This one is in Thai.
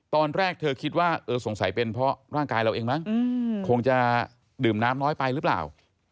ตอนแรกเธอคิดว่าเออสงสัยเป็นเพราะร่างกายเราเองมั้งคงจะดื่มน้ำน้อยไปหรือเปล่า